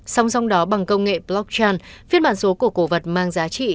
song song đó bằng công nghệ blockchain phiên bản số của cổ vật mang giá trị